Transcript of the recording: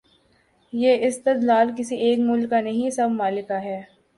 یہ استدلال کسی ایک ملک کا نہیں، سب ممالک کا ہے۔